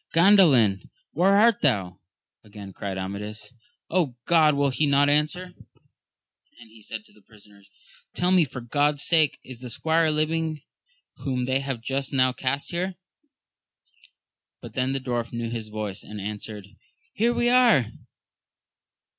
Gandalin? where art thou? again cried Amadis. God! will he not answer ? and he said to the prisoners, tell me for God's sake is the squire living whom they have just now cast here ? but then the dwarf knew his voice, and answered, Here we are